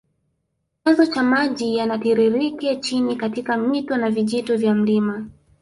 Chanzo cha maji yanatiririke chini katika mito na vijito vya mlima